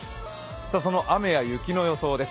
その雨や雪の予想です。